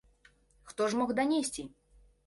Хто ж мог данесці?